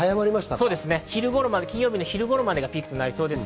金曜日のお昼頃までがピークとなりそうです。